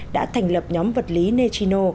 đã thành lập nhóm vật lý nechino